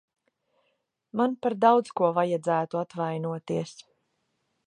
Man par daudz ko vajadzētu atvainoties.